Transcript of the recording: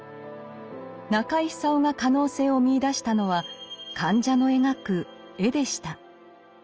中井久夫が可能性を見いだしたのは患者の描く「絵」でした。